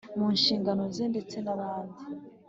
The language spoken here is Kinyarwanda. munshingano ze ndetse nabandi